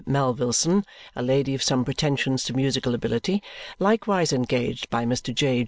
Melvilleson, a lady of some pretensions to musical ability, likewise engaged by Mr. J.